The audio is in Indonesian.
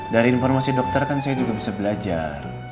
dari informasi dokter kan saya juga bisa belajar